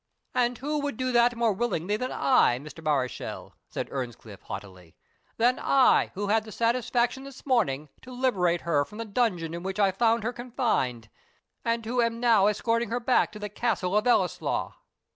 "And who would do that more willingly than I, Mr. Mareschal?" said Earnscliff, haughtily, "than I, who had the satisfaction this morning to liberate her from the dungeon in which I found her confined, and who am now escorting her back to the Castle of Ellieslaw?"